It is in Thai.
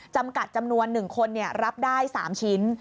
จำกัดจำนวน๑คนรับได้๓ชิ้น